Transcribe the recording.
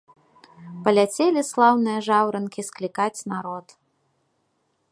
Паляцелі слаўныя жаўранкі склікаць народ.